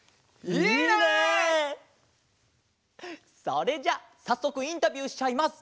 それじゃあさっそくインタビューしちゃいます。